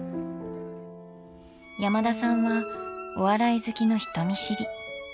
山田さんはお笑い好きの人見知り。